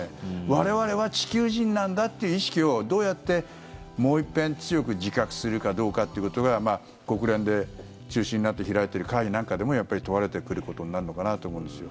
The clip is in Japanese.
我々は地球人なんだって意識をどうやって、もう一遍強く自覚するかどうかってことが国連で中心になって開いている会議なんかでも問われてくることになるのかなと思うんですよ。